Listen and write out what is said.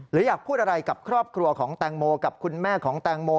หรืออยากพูดอะไรกับครอบครัวของแตงโมกับคุณแม่ของแตงโม